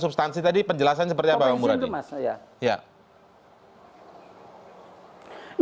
substansi tadi penjelasan seperti apa bang muradi